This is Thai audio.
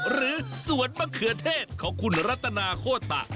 หรือสวนมะเขือเทศของคุณรัตนาโคตะ